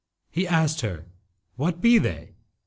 He asked her 'What be they?'